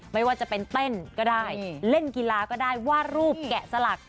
ไม่ว่าจะเป็นเต้นก็ได้เล่นกีฬาก็ได้วาดรูปแกะสลัก